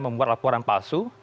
membuat laporan palsu